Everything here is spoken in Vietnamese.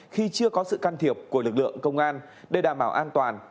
khi chưa có sự can thiệp của lực lượng công an để đảm bảo an toàn